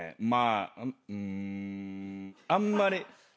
まあうんあんまり。